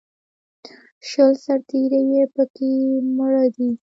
شل سرتېري یې په کې مړه دي